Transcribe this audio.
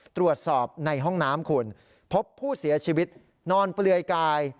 ตรวจสอบในห้องน้ำคุณพบผู้เสียชีวิตนอนเปลือยกาย